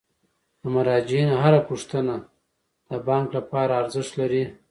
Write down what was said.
د مراجعینو هره پوښتنه د بانک لپاره ارزښت لري.